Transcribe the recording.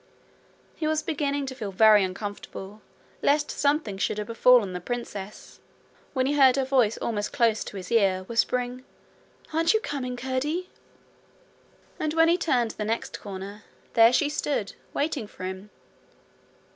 He was beginning to feel very uncomfortable lest something should have befallen the princess, when he heard her voice almost close to his ear, whispering: 'Aren't you coming, Curdie?' And when he turned the next corner there she stood waiting for him.